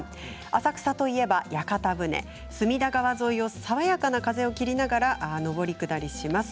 浅草といえば屋形船隅田川沿いを爽やかな風を切りながら上り下りします。